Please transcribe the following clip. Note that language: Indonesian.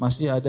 masih ada ya